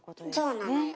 そうなのよ。